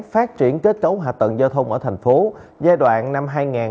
phát triển kết cấu hạ tầng giao thông ở thành phố giai đoạn năm hai nghìn hai mươi một hai nghìn hai mươi